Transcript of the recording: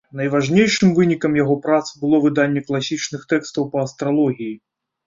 Найважнейшым вынікам яго прац было выданне класічных тэкстаў па астралогіі.